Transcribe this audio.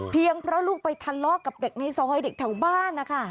เพียงเพราะลูกไปทำรอกกับเด็กในซอยเด็กแถวบ้านนะคะ